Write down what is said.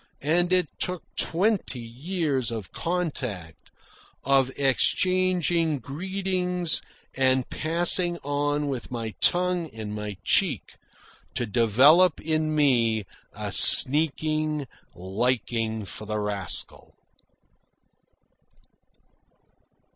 And it took twenty years of contact, of exchanging greetings and passing on with my tongue in my cheek, to develop in me a sneaking liking for the rascal.